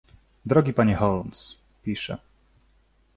"„Drogi panie Holmes“, pisze."